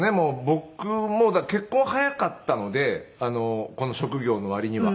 僕も結婚早かったのでこの職業の割には。